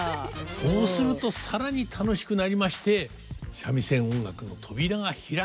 そうすると更に楽しくなりまして三味線音楽の扉が開くとこう思います。